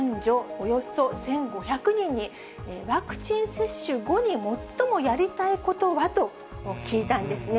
およそ１５００人に、ワクチン接種後に最もやりたいことはと聞いたんですね。